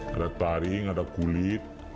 ada taring ada kulit